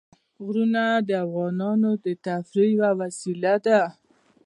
غرونه د افغانانو د تفریح یوه وسیله ده.